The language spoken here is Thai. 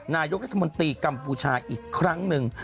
นายกรัฐมนตรีกัมพูชาอีกครั้งหนึ่ง